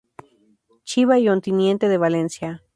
Chiva y Onteniente de Valencia.